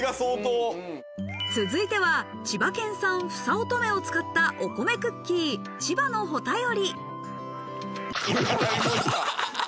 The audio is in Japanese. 続いては千葉県産ふさおとめを使ったお米クッキー、ちばの穂便り。